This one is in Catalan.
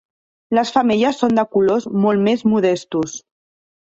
Les femelles són de colors molt més modestos.